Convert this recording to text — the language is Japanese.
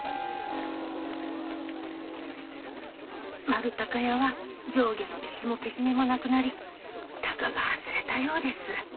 丸高屋は上下の別もけじめもなくなりたがが外れたようです。